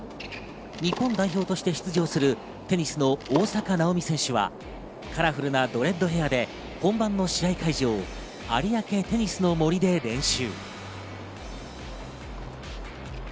日本代表として出場するテニスの大坂なおみ選手はカラフルなドレッドヘアで本番の試合会場、有明テニスの森で練習。